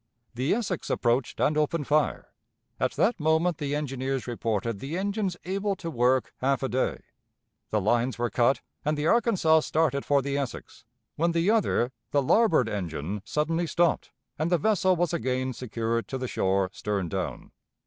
The Essex approached and opened fire; at that moment the engineers reported the engines able to work half a day. The lines were cut, and the Arkansas started for the Essex, when the other the larboard engine suddenly stopped, and the vessel was again secured to the shore stern down.